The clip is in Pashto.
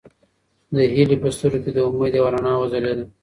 د هیلې په سترګو کې د امید یوه رڼا وځلېده.